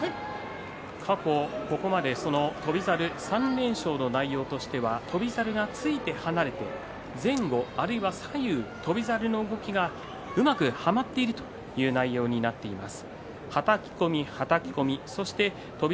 過去、ここまで翔猿３連勝の内容としては翔猿が突いて離れて前後、あるいは左右翔猿の動きがうまくはまっている内容となっています。